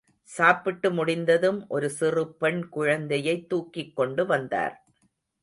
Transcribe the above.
சாப்பிட்டு முடிந்ததும் ஒரு சிறு பெண் குழந்தையைத் தூக்கிக் கொண்டு வந்தார்.